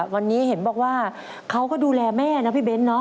วันนี้เห็นบอกว่าเขาก็ดูแลแม่นะพี่เบ้นเนาะ